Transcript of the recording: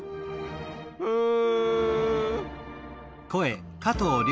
うん。